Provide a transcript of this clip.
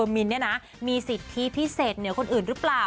มินมีสิทธิพิเศษคนอื่นหรือเปล่า